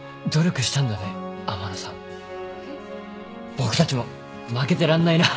僕たちも負けてらんないな。